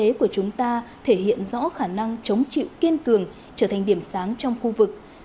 kinh tế của chúng ta thể hiện rõ khả năng chống chịu kiên cường trở thành điểm sáng trong khu vực